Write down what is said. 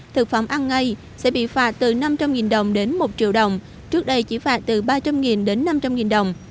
thực phẩm ăn ngay sẽ bị phạt từ năm trăm linh đồng đến một triệu đồng trước đây chỉ phạt từ ba trăm linh đến năm trăm linh đồng